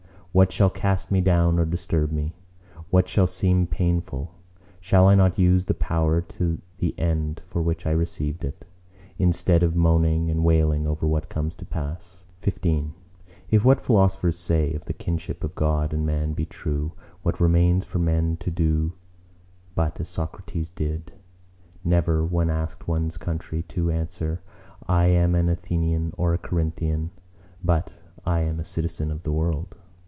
What shall cast me down or disturb me? What shall seem painful? Shall I not use the power to the end for which I received it, instead of moaning and wailing over what comes to pass? XV If what philosophers say of the kinship of God and Man be true, what remains for men to do but as Socrates did:—never, when asked one's country, to answer, "I am an Athenian or a Corinthian," but "I am a citizen of the world."